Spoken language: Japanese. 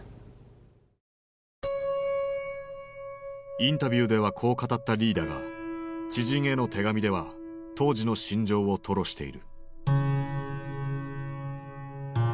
インタビューではこう語ったリーだが知人への手紙では当時の心情を吐露している。